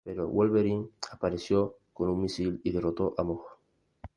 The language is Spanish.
Pero Wolverine apareció con un misil y derrotó a Mojo.